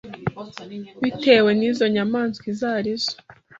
bitewe n’zo nyamaswa izo arizo.